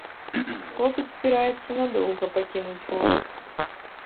Хлопец збіраецца надоўга пакінуць горад.